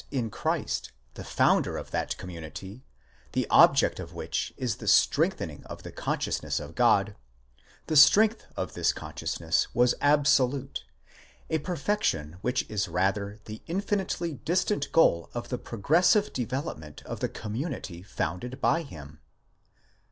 in Christ, the founder of that community, the object of which is the strengthening of the consciousness of God, the strength of this consciousness was absolute, a perfection which is rather the infinitely distant goal of the progressive development of the community founded by him.